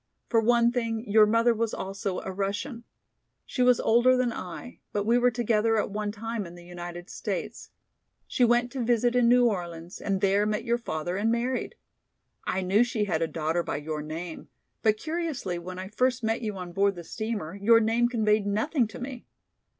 For one thing, your mother was also a Russian. She was older than I, but we were together at one time in the United States. She went to visit in New Orleans and there met your father and married. I knew she had a daughter by your name, but curiously when I first met you on board the steamer your name conveyed nothing to me.